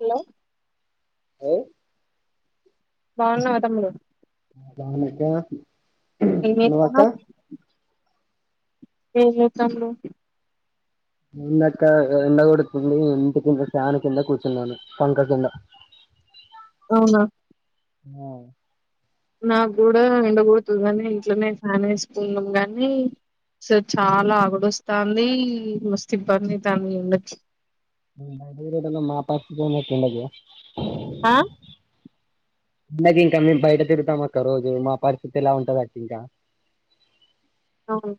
Hello పో బాగున్నావా తమ్ముడు దానక ఏట్నా [unintelligible] ఏ చిత్రం లో ఏందక్క ఎండ కొడుతుంది ఇంటి కింద ఫ్యాన్ కింద కూర్చున్నాను పంక కింద అవునా హ నాకు గూడా ఎండకొడుతుందని ఇంట్లోనే ఫ్యాన్ వేసుకున్నాం గానీ సర్ చాలా అగుడొస్తుందీ మస్తు ఇబ్బందయితాంది ఎండకి నేను బయలుదేరటల్లే మాపక్క ఉన్నట్టుండదే ఆ అందకి ఇంకా మేము బయట తిరుగుతాం అక్క రోజు మా పరిస్థితి ఎలా ఉంటది అక్కా ఇంకా అవును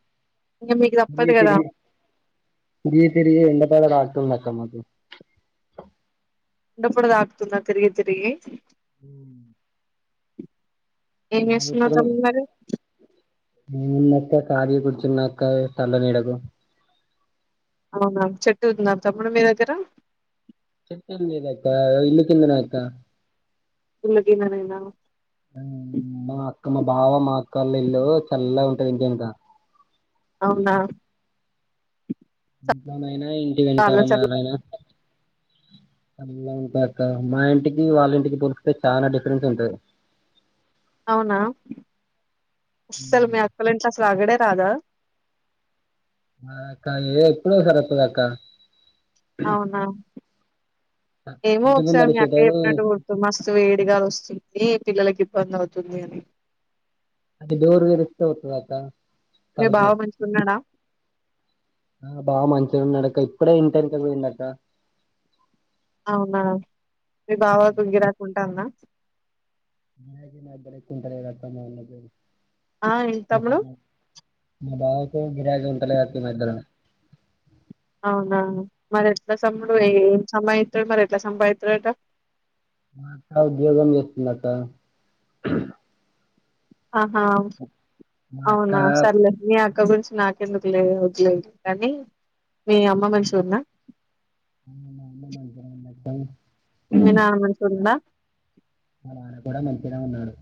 ఇంక మీకు గీ తప్పదు కదా తిరిగి గీ తిరిగి ఎంట పద రా తెల్ద్ అక్క మాకి ఉండప్పుడదా తాకుతుందా తిరిగి తిరిగి హ్మ్ ఏంచేస్తున్నావ్ తమ్మి మరి నేనక్కా ఖాళీగా కూర్చున్న అక్క సళ్ళ నీడకు అవునా చెట్టు ఉందా తమ్ముడు మీ దగ్గర చెట్టు ఉంది కదా అక్క ఇల్లి కిందన అక్క ఇళ్లకిందనేనా మా అక్క మా బావ మా అక్కళ్ళ ఇల్లు చల్ల ఉంటది ఇంటి ఎనక అవునాా ఇంట్లోనే అయినా ఇంటి వెనకాల మా నాయినా చల్లగా ఉంటక్క మా ఇంటికి వాళ్ళ ఇంటికి పోలిస్తే చాలా డిఫరెన్స్ ఉంటది అవునా ఇస్సలు ఉమ్. మీ అక్కల ఇంట్లా రాగడే రాధా మా అక్క ఏ ఎప్పుడు సారి వాత్తదాఅక్క అవునా ఏమో ఇంటి ఒకసారి ముందర మీ అక్క షెటరు చెప్పినట్టు గుర్తు మస్తు వేడి గాలి వస్తుంది పిల్లలకి ఇబ్బంది అవుతుంది అని అది డోరు తెరిస్తే వాస్తదక్కా మీ తలపు బావ మంచిగా ఉన్నాడా ఆ బావ మంచిగున్నాడక్క ఇప్పుడే ఇంటేనక పోయిందక్కా అవునా మీ బావ ఉమ్. తుంగి రాకుండా అన్నా మగ నాదా కుంటా ఆ ఏంటి [unintelligible] తమ్ముడు మ బా గిరాకి ఉంటలేదక్క ఈ మధ్యన అవునా మరి ఎట్లా [unintelligible] ఏం సమయ మరి ఎట్లా సంపాదిత్తడట మా అక్క ఉద్యోగం చేస్తుందక్క ఆహా మా అక్క అవునా సర్లే మీ అక్క గురించి నాకు ఎందుకులేదు లేదు కానీ మీ అమ్మ అ మంచిగా ఉందా అమ్మ మా అమ్మ మంచిగనే ఉందక్కా బా మీ నాన్న మంచిగున్నాడా మా నాన్న కూడా మంచినే ఉన్నాడు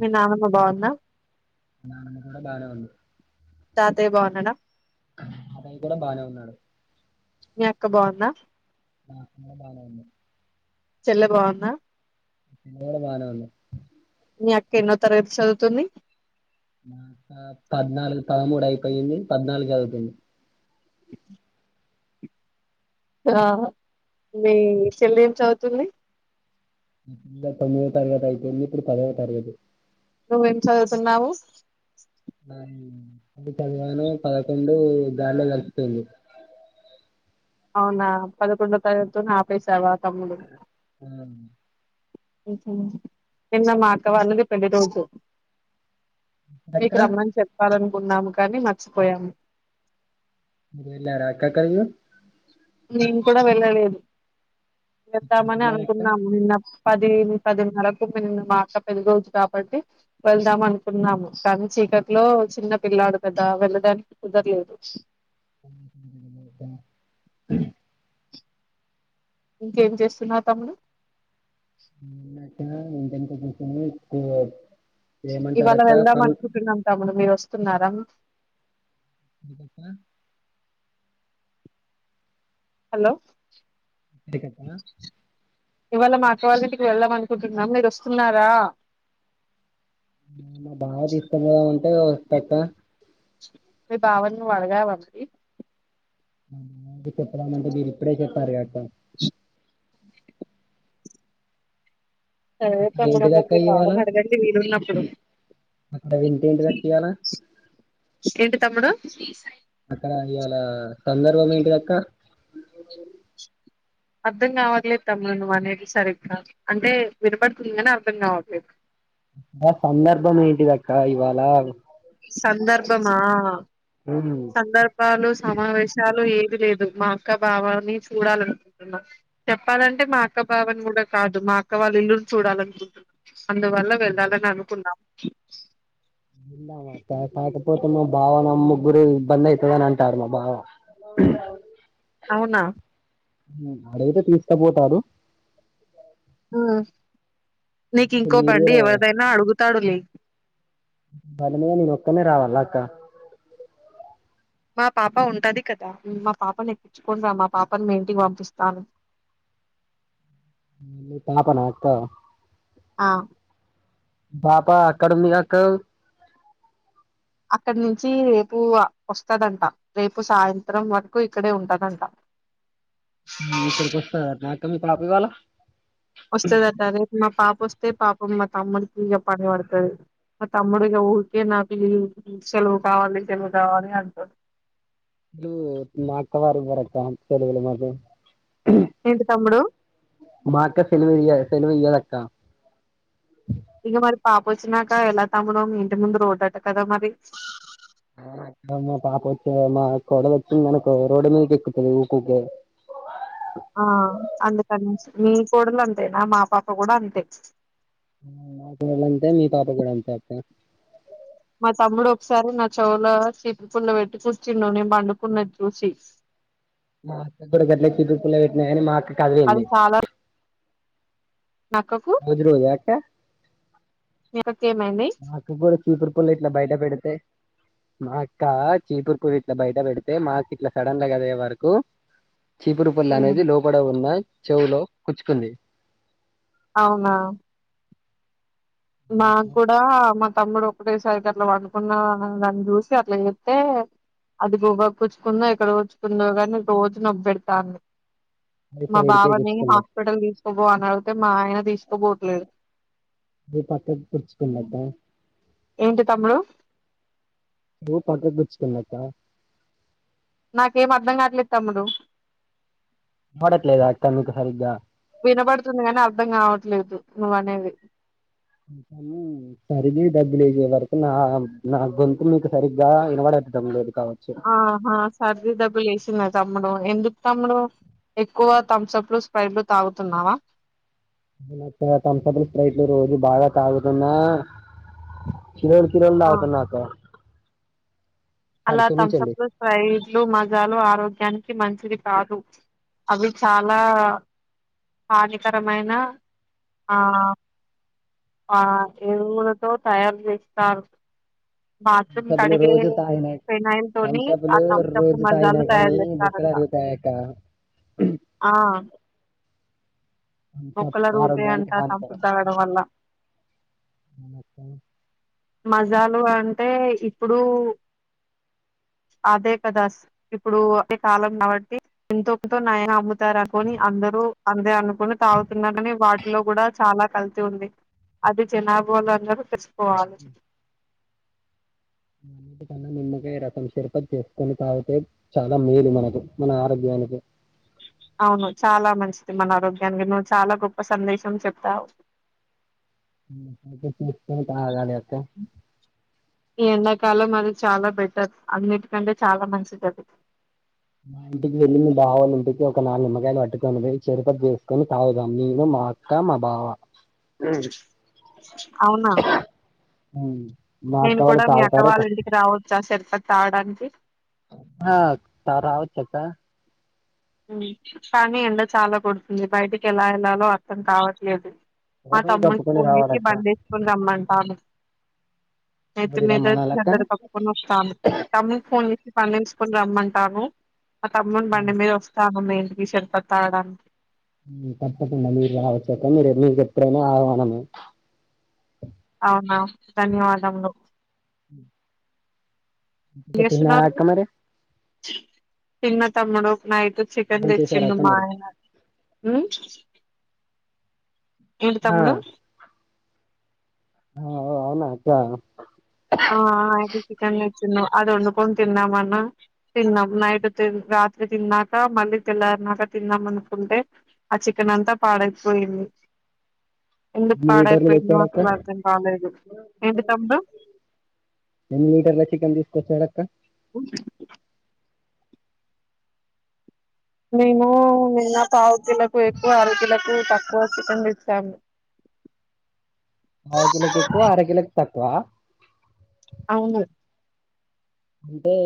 మీ నానమ్మ బాగుందా మా నాన్నమ్మ కూడా బానే ఉంది తాతయ్య బాన్నాడా అతని కూడా బానే ఉన్నాడు మీ అక్క బాగుందా నా కన్నా బానే ఉంది చెల బాగుందా చెలి కూడా బానే ఉంది మీ అక్క ఎన్నో తరగతి చదువుతుంది దకా పద్నాలుగు పదమూడు అయిపోయింది పద్నాలుగు అయిపోయింది ఆ మీ సెల్ ఏం చదువుతుంది ఇ తొమ్మిదో తరగతి అయిపోయింది ఇప్పుడు పదవో తరగతి నువ్వేం చదువుతున్నావు నా పది చదివాను పదకొండు గాల్లో కలిపిిపోయింది అవునా పదకొండ తాతు నా పై సవా ఆ నిన్న మాక్కవళ్ళది పెళ్ళి రోజు అక్క మీకు రమ్మని చెప్పాలం ఉన్నాము కానీ మర్చిపోయాము మేరెళ్ళర అక్క [inaudible] నేను కూడా వెళ్ళలేదు ఎక్కడికి వెళ్దామని వెళ్ళారు అక్క అనుకున్నాము నిన్న పది పదిన్నరకు మ మా అక్క పెళ్లి రోజు కాబట్టి వెళ్దాం అనుకున్నాము కానీ చీకట్లో చిన్న పిల్లాడు కదా వెళ్ళడానికి కుదరలేదు హమ్ ఇంకేం చేస్తున్నావ్ తమ్ముడు [unintelligible] ఇండిన్ [unintelligible] ఇవాళ వెళ్దాం అనుకుంటున్నాం తముడు మీరు వ వస్తున్నార ఇకప్ప [inaudible] హలో ఎ కట్టా ఇవాళ మా అక్క వాళ్ళ ఇంటికి వెళ్దాం అనుకుంటున్నాం మీరు వస్తున్నారా మా బావ నీ తీసుకొని పోమన్ [inaudible] మీ బావనీ నువు అడగావా అబ్ చెప్పదామంటే మీరు ఇప్పుడే చెప్పారు గా అక చి స అ అదే అక్కడ తమ్ముడు మరి మీ ఏంటిదక్క బావ ఇవాళ న అడగండి వీలు ఉన్నప్పుడు అక్కడ వింత ఏంటిదక్క ఇయ్యాల తమ్ముడు అక్కడ ఇవాళ సందర్భం ఏంటిదక్క అర్థం కావలేదు తమ్ము నువ్వు అనేది సరిగ్గా అంటే వినపడుతుంది కానీ అర్థం కావట్లేదు ఆ సందర్భం ఏంటిద అక్క ఇవాళ సందర్భమా సందర్భాలు సమావేశాలు ఏ లేదు మా అక్క భావాని చూడాలనుకుంటున్నా చెప్పాలంటే మా అక్క బావని కూడా కాదు మా అక్క వాళ్ళ ఇల్లుని చూడాలనుకుంటున్నా అందువల్ల వెళ్ళాలని అనుకున్నాం చె ఇలామాట పాట పో మా భావ నమ్ ముగ్గురు బందైతదని అంటారు మా భావ అవునా అడయితే తీస్కపోతాడు నీకు ఇంకో మీరు బండి కూడా ఎవరిదైనా అడుగుతు తడులి వాళమని నేన్నొక్కనే రావాల్నా అక్క మా పాప ఉంటది కదా మా పాపను ఎక్కించుకుంట రా మా పాపని మీ ఇంటికి పంపిస్తాను మీ పాపనా అక్క ఆ బాపా అక్కడ ఉందిగా అక్కో అక్కడ నుంచి రేపు వస్తదంట రేపు సాయంత్రం వరకు ఇక్కడే ఉంటదంట ఇక్కడికి వస్తదా అక్క మీ పాప ఇవ్వాలా వస్తుందట రేపు మా పాప వస్తే పాప మత్త తమ్ముడికి ఇక పని పడుతుంది ఆ తమ్ముడిగా ఊరికే నాకు సెలవు కావాలి సెలవు కావాలి అంటారు ఇ మా అక్కవారు ఉన్నారు అక్క చెలిలు మాధ ఏంటి తమ్ముడు మా అక్క సేలివడియ సెల్వియదక్కా ఇంక మరి పాప వచ్చినాక ఎలా తమ్ముడూ ఇంటి ముందు రోడ్ అట కదా మరి మా పాప వచ్చే మా కోడలు వచ్చింది అనుకో రోడ్డు మీదకి ఎక్కుతుంది ఊకుకే ఆ అందుకని మీ కోడలు అంతేనా మా పాప కూడా అంతే మాకు అంతే మీ పాప కూడా అంతే అక్క చిటుకుళ పెట్టి కూర్చీలోని బండుకున్నది చూసి మా అక్క కూడా గడ్లకికు పెట్న్నాయి అ మా కదిలింది అది చాలా మీ అక్కకు రోజు రోజా అక్క మీ అక్కకి ఏమైంది మాకు కూడా చూపర్ పుల్ల ఇట్లా బయట పెడతేయి మా అక్క చీపూరు కూ ఇట్లా బయట పెడితే మాకు ఇట్లా సడన్ లా కదా వరకు చీపురు పల్ళ అనేది లోపడ ఉన్నా చెవులో కుచ్చుకుంది అవునా మాకు కూడా మా తమ్ముడు ఒకటేసరికి అట్ల వండుకున్న దాన్ని చూసి అట్లా చేత్తే అది గోబ కూచ్చుకుందో ఎక్కడ కూచ్చుకుందో కాని రోజు నొప్పెడుతాంది అది మా సైడ్కే బావని గుచ్చుకుంది హాస్పిటల్ తీసుకు ఓనర్ తో మా ఆయన తీస్ త బోట్లేదు కుర్చ్చుకున్నట ఏంటి తమ్ముడు ఓ పక్క కుచ్చుకున్నక్క నాకేం అర్ధం కాట్లే తమ్ముడు వినపడట్లేదా అక్క మీకు సరిగా ఉహు నువ్వ అనేవి సరిది డబ్బులు్యే వరకు నా నా గొంతు మీకు సరిగ్గా వినబడట్టాం లేదు కావచ్చు ఆహా సర్దిీ దబి చేసిందా తమ్ ఎందుకు తమ్ముడు ఎక్కువ థమ్స్ అప్లు స్ప్రైడ్లు తాగుతున్నావా [unintelligible] థమ్సప్లు స్ప్రైట్లు రోజు బాగా తాగుతున్నా చివరికి నీళ్ళు ఆ తాగుతున్న అక్కా అలా థమ్సప్లు స్ప్రైట్లు మజాలు ఆరోగ్య గ్యానికి మంచిది కాదు అవి చాలా కార్యకరమైన ఆ ఆ ఎరువులతో తయారు చేస్తారు బాత్రూమ్ థమ్సప్లు కడిగే రోజు తాగిన ఫినాయిల్ తోని ఆ థమ్సప్లు థమ్సప్లు రోజు తాగిన మజాలు తయారు కానీ బొక్కలు చేస్తారంట అరుగుతాయక్కా ఆ థమ్సప్ మొక్కలు ఆరోగ్యానికి అరుగుతాయంట థమ్సప్ హానికరం తాగడం వల్ల మజాలు అంటే ఇప్పుడు అదే కదా ఇప్పుడు అదే కాలం కాబట్టి ఇంతోంతో నయా అ తారా కొని అందరూ అంతే అను తాగుతున్నారని వాటిలో కూడా చాలా కల్తీ ఉంది అది జనాభా వాళ్ళందరూ తెలుసుకోవాలి అన్నిటికన్నా నిమ్మకాయ రసం సిరపది చేసుకొని తాగితే చాలా మేలు మనకి మన ఆరోగ్యానికి అవును చాలా మంచిది మన ఆరోగ్యానికి నువ్వు చాలా గొప్ప సందేశం చెప్తావు తాగాలి ఐతే [unintelligible] ఈ ఎండాకాలం అది చాలా బెటర్ అన్నిటికంటే చాలా మంచిదది మా ఇంటికి వెళ్ళి మీ బావోళ్ళింటికి ఒక నాలుగు నిమ్మకాయలు పట్టుకొని పోయి చెరుపతి చేసుకొని తాగుతం నేను మా అక్క మా బావ అవునా ఉమ్. మా అక్క నేను వాళ్ళు కూడా మీ అక్కా తాగుతారో వాళ్ళ ఇంటికి రావచ్చా సర్ అది తాగడానికి ఆ రావచ్చక్కా కానీ ఎండ చాలా కొడుతుంది బయటికి ఎలా వెళ్లాలో అర్థం కావట్లేదు మా ఎవరు తమ్మునికి కప్పుకొని ఫోన్ చేసి రావాలక్క బండి వేసుకుని రమ్మంటాను ఐతే ఎవరి మీద రమ్మనాలక్క దగ్గర [unintelligible] హద్ద పకుస్తా ఫోన్ పండించుకుని రమ్మంటాను ఆ తమ్ముం బండి మీద వస్తుం మేందుకిషర్పతవడానా తప్పకుండా మీరు రావచ్చక మీరు మీకు ఎప్పుడనా ఆవానము అవునా ధన్యవాదములు తిన్నారా అక్క మరి చిన్న తమ్ముడు నైట్ చికెన్ ఫోన్ చేశారా అక్క తెచ్చిడుమ్ మా మీరు ఆయన ఏంటి ఆ, తమ్ముడు ఆవు ఆవు అవునా అక్క ఆ ఆ [unintelligible] వచ్చన్నా అది వండుకొని తిన్నామ అన్నా తిన్నాం నైట్ త ఎందుకు ఎన్ని లీటర్లు పాడయిపోయిందో తెచ్చాడక్క అసలు అర్థం కాలేదు ఏంటి తమ్ముడు ఎన్ని లీటర్ల చికెన్ తీసుకొచ్చాడక్క కొ మేను నేన్న కా [unintelligible] కు తకువ చికెన్ తెచ్చాం పావుకిలోకి ఎక్కువ అర కిలోకి తక్ వ అవును అంటే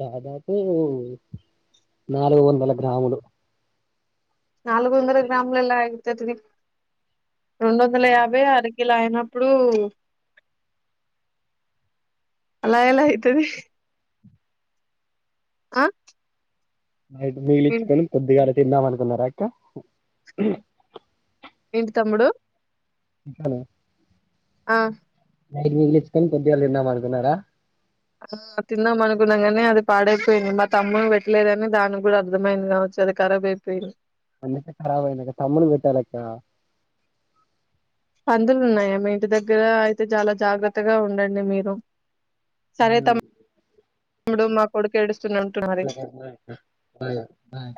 దాదాపు నాలుగు వందల గ్రాములు నాలుగు వందర గ్రామ్లలా ఆయితేతిది రెండు వందల యాభై ఆరు ఇలా అయినప్పుడు అలా ఎలా అయితది ఆ నైట్ మిగిలి ఇచ్చుకుని కొద్దిగా లే తిందాం అనుకున్నారా అక్క ఏంటి తమ్ముడు ఆ నైట్ మీగిలీచ్చుకొని పొద్దుగాల తిందాం అనుకున్నారా ఆ తిన్నాం అనుకున్నాం కానీ అది పాడైపోయింది మా తమ్మునికి పెట్టలేదని దానికి కూడా అర్థమైంది కావచ్చు అది ఖరాబ్ అయిపోయింది అందుక కఖరాబ్ అన్నాక తమ్ముడు పెట్టాలా అక్క పందులు ఉన్నాయా మీ ఇంటి దగ్గర అయితే చాలా జాగ్రత్తగా ఉండండి మీరు హూ ఇడు మాకొడుకు ఏడు బై బై